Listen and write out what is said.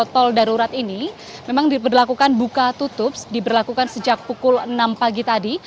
tol darurat ini memang diberlakukan buka tutup diberlakukan sejak pukul enam pagi tadi